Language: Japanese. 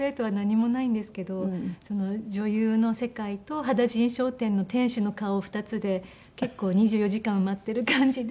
女優の世界と羽田甚商店の店主の顔２つで結構２４時間埋まってる感じで。